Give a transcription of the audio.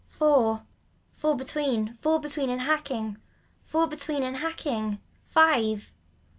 Four. Four between, four between and hacking. Four between and hacking. Five.